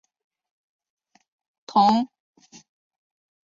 同年发行同名专辑。